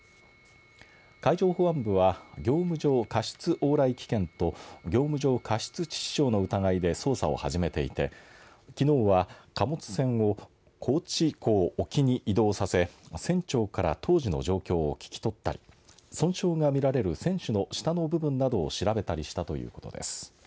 海上保安部は業務上過失往来危険と業務上過失致死傷の疑いで捜査を始めていてきのうは貨物船を高知港沖に移動させ船長から当時の状況を聞き取ったり損傷が見られる船首の下の部分などを調べたりしたということです。